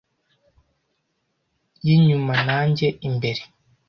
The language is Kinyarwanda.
yinyuma na njye imbere